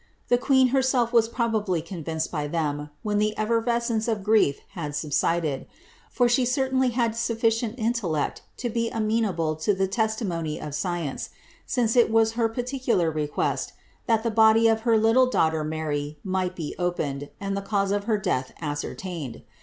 The queen herself was probably convinced by them, when the efllervescence of grief had subsided, for she certainly had sufficient intel lect to be amenable to the testimony of science, since it was her parti cular request, that the body of her little daughter Mary might be opened, and the cause of her death ascertained.